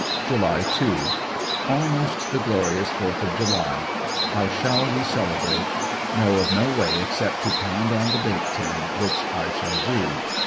July 2. — Almost the Glorious Fourth of July. How shall we celebrate? Know of no way except to pound on the bake tin, which I shall do.